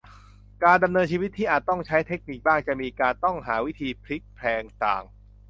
การดำเนินชีวิตที่อาจจะต้องใช้เทคนิคบ้างจะมีการต้องหาวิธีพลิกแพลงต่าง